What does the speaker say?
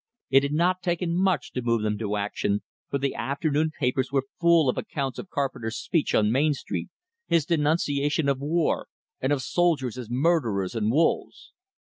It had not taken much to move them to action, for the afternoon papers were full of accounts of Carpenter's speech on Main Street, his denunciation of war, and of soldiers as "murderers" and "wolves."